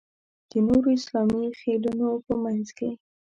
د نورو اسلامي خېلونو په منځ کې.